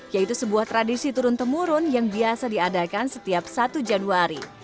yaitu sebuah tradisi turun temurun yang biasa diadakan setiap satu januari